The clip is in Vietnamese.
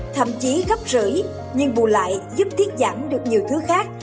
thậm chí gấp rưỡi nhưng bù lại giúp tiết giảm được nhiều thứ khác